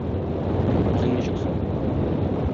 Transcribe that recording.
Үзең ничек соң?